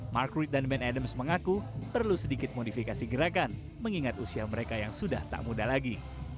mark reed dan ben adams mengaku perlu sedikit modifikasi gerakan mengingat usia mereka yang sudah tak muda lagi